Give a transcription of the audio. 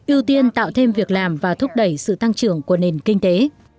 ưu tiên tạo thêm việc làm và thúc đẩy sự tăng trưởng của nền kinh tế